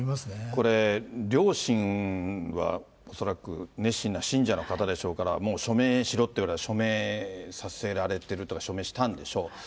これ、両親は恐らく、熱心な信者の方でしょうから、署名しろと言われたら、署名させられてるというか、署名したんでしょう。